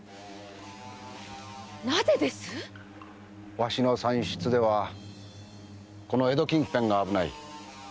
⁉わしの算出ではこの江戸近辺が危ない。